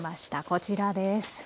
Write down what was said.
こちらです。